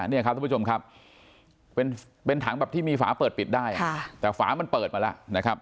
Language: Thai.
นี่ครับทุกผู้ชมครับเป็นถังแบบที่มีฝาเปิดปิดได้แต่ฝามันเปิดมาแล้วนะครับ